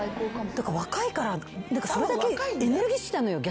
だから若いからそれだけエネルギッシュなのよ逆に。